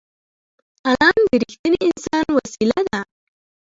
قلم د رښتیني انسان وسېله ده